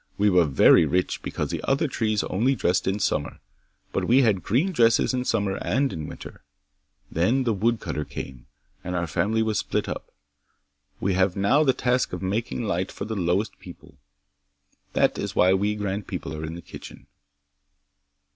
We were very rich, because the other trees only dressed in summer, but we had green dresses in summer and in winter. Then the woodcutter came, and our family was split up. We have now the task of making light for the lowest people. That is why we grand people are in the kitchen."